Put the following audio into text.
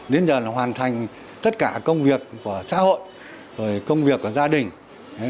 đến giờ là hoàn thành tất cả công việc của xã hội công việc của gia đình